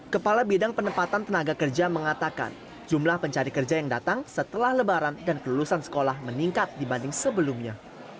kepala bidang penempatan tenaga kerja mengatakan jumlah pencari kerja yang datang setelah lebaran dan kelulusan sekolah meningkat dibanding sebelumnya